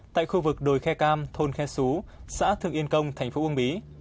tại khu vực đồi khe cam thôn khe sú xã thường yên công tp uông bí